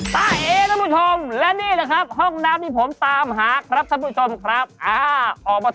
ตามแอฟผู้ชมห้องน้ำด้านนอกกันเลยดีกว่าครับไปเลยครับ